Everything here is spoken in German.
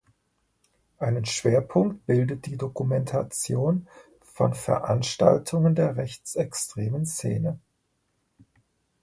Einen Schwerpunkt bildet die Dokumentation von Veranstaltungen der rechtsextremen Szene.